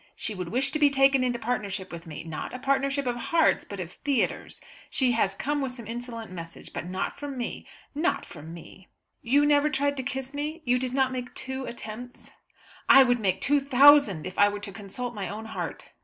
She would wish to be taken into partnership with me, not a partnership of hearts, but of theatres. She has come with some insolent message, but not from me; ah, not from me!" "You never tried to kiss me? You did not make two attempts?" "I would make two thousand if I were to consult my own heart."